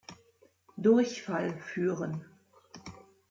Durchfall führen.